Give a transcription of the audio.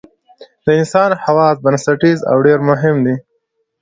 د انسان حواس بنسټیز او ډېر مهم دي.